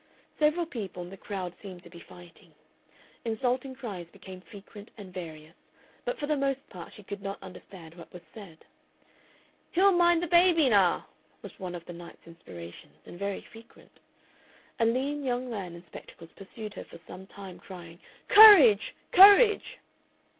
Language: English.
Several people in the crowd seemed to be fighting. Insulting cries became frequent and various, but for the most part she could not understand what was said. "Who'll mind the baby nar?" was one of the night's inspirations, and very frequent. A lean young man in spectacles pursued her for some time, crying "Courage! Courage!"